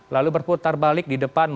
lalu berputar balik di depan